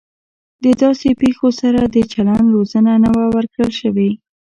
د داسې پیښو سره د چلند روزنه نه وه ورکړل شوې